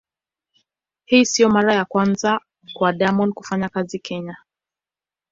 Hii sio mara ya kwanza kwa Diamond kufanya kazi Kenya.